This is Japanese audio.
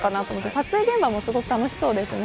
撮影現場もすごく楽しそうですね。